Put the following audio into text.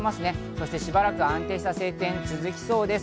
そしてしばらく安定した晴天が続きそうです。